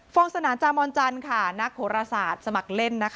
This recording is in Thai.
ฟองสถานจาโมนจันทร์ค่ะนักโณษฐศสมัครเล่น